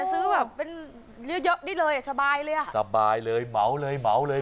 ซื้อแบบเป็นเลี้ยวเยอะนี่เลยสบายเลยอ่ะสบายเลยเหมาะเลยเหมาะเลย